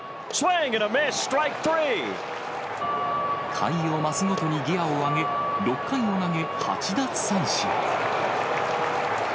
回を増すごとにギアを上げ、６回を投げ、８奪三振。